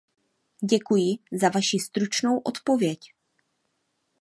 Děkuji za vaši stručnou odpověď.